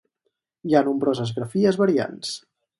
Hi ha nombroses grafies variants.